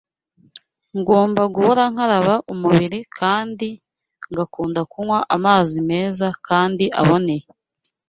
Ngomba guhora nkaraba umubiri, kandi ngakunda kunywa amazi meza kandi aboneye.